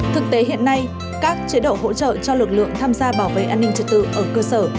thực tế hiện nay các chế độ hỗ trợ cho lực lượng tham gia bảo vệ an ninh trật tự ở cơ sở